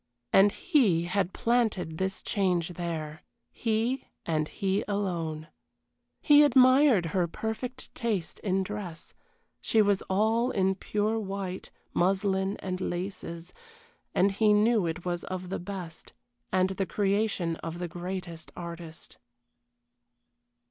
And he had planted this change there he, and he alone. He admired her perfect taste in dress she was all in pure white, muslin and laces, and he knew it was of the best, and the creation of the greatest artist.